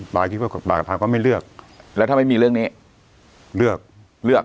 ป่าคิดว่าป่าก็ไม่เลือกแล้วถ้าไม่มีเรื่องนี้เลือกเลือก